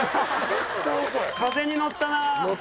風にのったな。